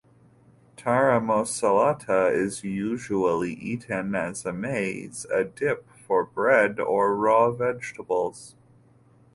Taramosalata is usually eaten as a "meze", a dip for bread or raw vegetables.